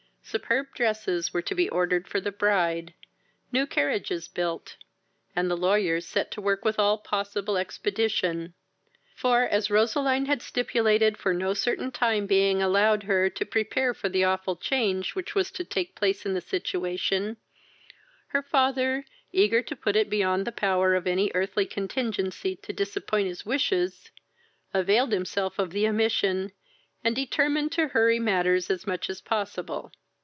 Superb dresses were to be ordered for the bride, new carriages built, and the lawyers set to work with all possible expedition; for, as Roseline had stipulated for no certain time being allowed her, to prepare for the awful change which was to take place in the situation, her father, eager to put it beyond the power of any earthly contingency to disappoint his wishes, availed himself of the omission, and determined to hurry matters as much as possible.